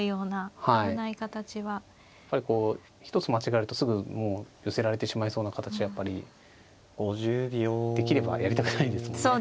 やっぱりこう一つ間違えるとすぐもう寄せられてしまいそうな形はやっぱりできればやりたくないですもんね。